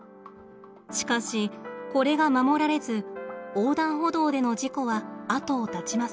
しかしこれが守られず横断歩道での事故は後を絶ちません。